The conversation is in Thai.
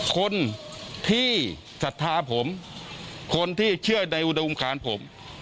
คนที่ศรัทธาผมคนที่เชื่อในอุดมการผม